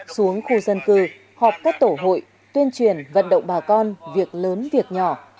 xuống khu dân cư họp các tổ hội tuyên truyền vận động bà con việc lớn việc nhỏ